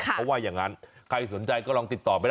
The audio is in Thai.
เขาว่าอย่างนั้นใครสนใจก็ลองติดต่อไป